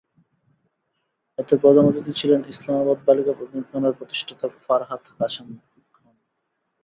এতে প্রধান অতিথি ছিলেন ইসলামাবাদ বালিকা এতিমখানার প্রতিষ্ঠাতা ফারহাত কাশেম খান।